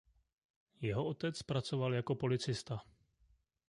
Jeho otec pracoval jako policista.